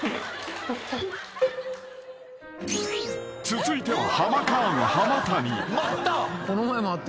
［続いては］